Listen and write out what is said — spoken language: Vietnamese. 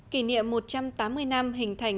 kỷ niệm một trăm tám mươi năm hình thành